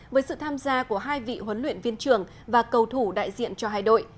với sự tham gia của hai vị huấn luyện viên trưởng và cầu thủ đại diện cho hai đội